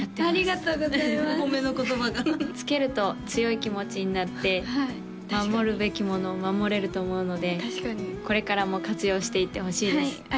ありがとうございますお褒めの言葉がつけると強い気持ちになって守るべきものを守れると思うのでこれからも活用していってほしいです